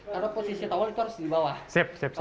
karena posisi towal itu harus di bawah